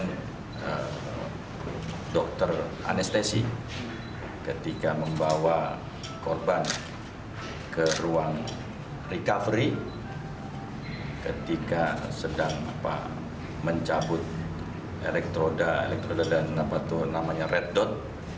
dokter anestesi ketika membawa korban ke ruang recovery ketika sedang mencabut elektronik dan namanya red dot